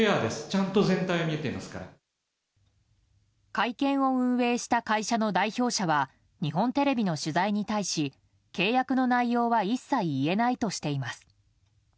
会見を運営した会社の代表者は日本テレビの取材に対し契約の内容は一切言えないとしています。